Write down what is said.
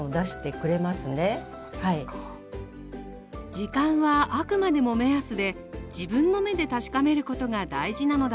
時間はあくまでも目安で自分の目で確かめることが大事なのだそう。